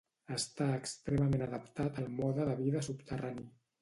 Està extremament adaptat a un mode de vida subterrani.